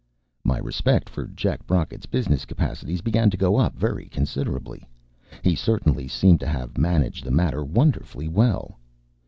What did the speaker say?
My respect for Jack Brocket's business capacities began to go up very considerably. He certainly seemed to have managed the matter wonderfully well.